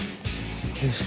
よし。